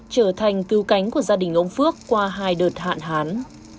trở thành cứu cánh của gia đình ông phước qua hai đợt hạn hán